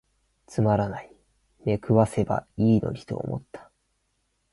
つまらない、癈せばいゝのにと思つた。